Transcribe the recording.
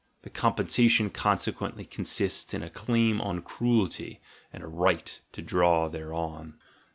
The compensation consequently consists in a claim on cruelty and a right to draw thereon.